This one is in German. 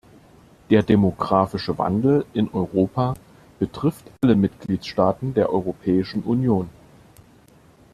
Der demographische Wandel in Europa betrifft alle Mitgliedstaaten der Europäischen Union.